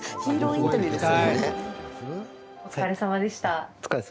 お疲れさまでした。